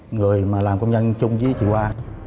người mà làm công nhân chung với chị hoa